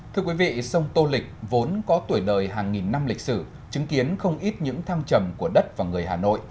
thưa quý vị sông tô lịch vốn có tuổi đời hàng nghìn năm lịch sử chứng kiến không ít những thăng trầm của đất và người hà nội